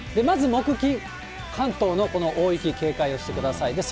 まず木、金、関東のこの大雪、警戒をしてください。